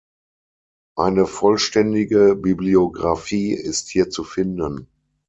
Eine vollständige Bibliographie ist hier zu finden.